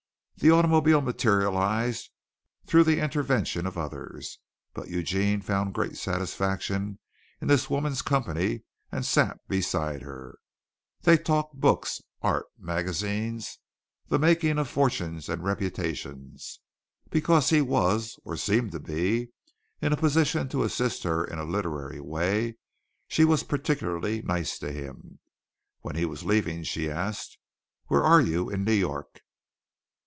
The automobile materialized through the intervention of others, but Eugene found great satisfaction in this woman's company and sat beside her. They talked books, art, magazines, the making of fortunes and reputations. Because he was or seemed to be in a position to assist her in a literary way she was particularly nice to him. When he was leaving she asked, "Where are you in New York?"